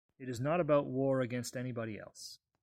It is not about war against anybody else.